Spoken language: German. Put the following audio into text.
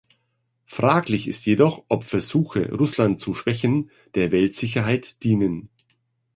Fraglich ist jedoch, ob Versuche, Russland zu schwächen, der Weltsicherheit dienen.